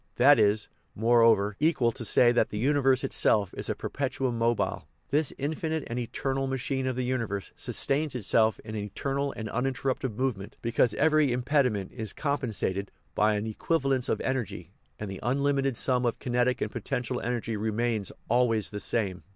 That is, more over, equal to saying that the universe itself is a per petuum mobile. This infinite and eternal " machine of the universe" sustains itself in eternal and uninter rupted movement, because every impediment is com pensated by an " equivalence of energy," and the un limited sum of kinetic and potential energy remains always the same.